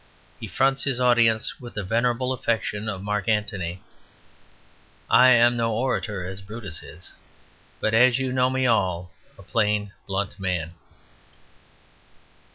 He fronts his audiences with the venerable affectation of Mark Antony "I am no orator, as Brutus is; But as you know me all, a plain blunt man."